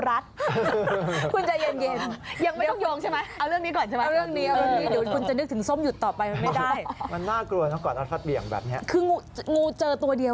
อะไร